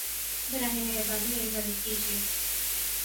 براہِ مہربانی میری مدد کیجیے